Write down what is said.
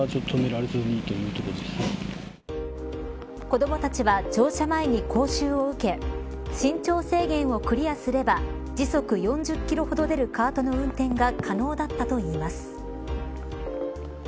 子どもたちは乗車前に講習を受け身長制限をクリアすれば時速４０キロほど出るカートの運転が可能だったといいます。